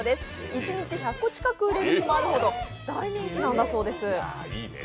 １日１００個近く売れる日もあるほど大人気なんだそうです。